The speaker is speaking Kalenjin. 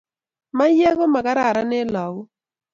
Maiyek ko makararan en lakok